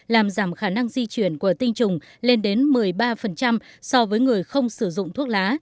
làm giảm khả năng di chuyển của tinh trùng lên đến một mươi ba so với người không sử dụng thuốc lá